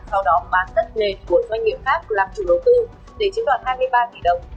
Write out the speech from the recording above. sau đó bán tất nền của doanh nghiệp khác làm chủ đầu tư để chiếm đoạn hai ba tỷ đồng